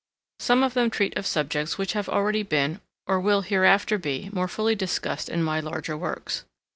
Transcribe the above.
Some of them treat of subjects which have already been, or will hereafter be, more fully discussed in my larger works.